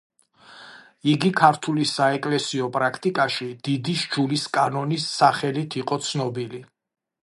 იგი ქართული საეკლესიო პრაქტიკაში „დიდი სჯულისკანონის“ სახელით იყო ცნობილი.